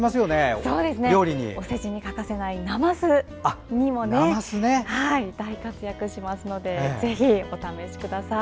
おせちに欠かせないなますにも大活躍しますのでぜひ、お試しください。